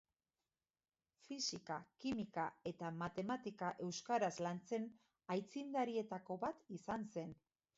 Fisika, kimika eta matematika euskaraz lantzen aitzindarietako bat izan zen.